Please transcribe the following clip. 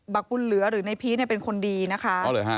บุญเหลือหรือในพีชเนี่ยเป็นคนดีนะคะ